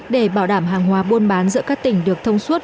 để bảo đảm hàng hóa buôn bán giữa các tỉnh được thông suốt